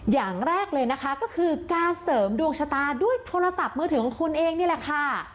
อย่างแรกเลยนะคะก็คือการเสริมดวงชะตาด้วยโทรศัพท์มือถือของคุณเองนี่แหละค่ะ